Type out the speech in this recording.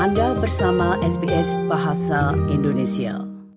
anda bersama sbs bahasa indonesia